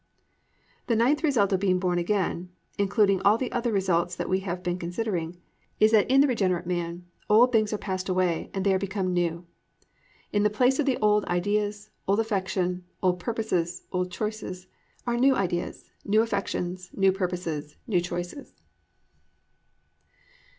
"+ The ninth result of being born again, including all the other results that we have been considering, _is that in the regenerate man, old things are passed away, they are become new. In the place of the old ideas, old affection, old purposes, old choices, are new ideas, new affections, new purposes, new choices.